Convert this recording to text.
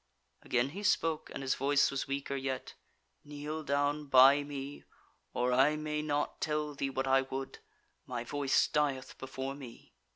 Again he spoke, and his voice was weaker yet: "Kneel down by me, or I may not tell thee what I would; my voice dieth before me."